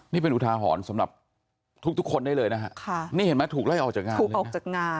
นี่เป็นอุทาหรสำหรับทุกคนได้เลยนะคะค่ะ